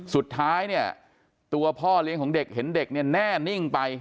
สุดท้ายเนี่ยตัวพ่อเลี้ยงของเด็กเห็นเด็กเนี่ยแน่นิ่งไป